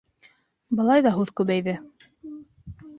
Былай ҙа һүҙ күбәйҙе...